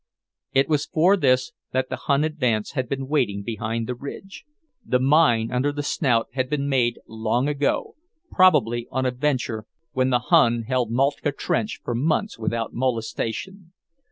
It was for this that the Hun advance had been waiting behind the ridge. The mine under the Snout had been made long ago, probably, on a venture, when the Hun held Moltke trench for months without molestation.